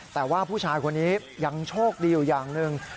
แต่ว่าผู้ชายคนนี้ยังโชคดีอยู่อย่างหนึ่ง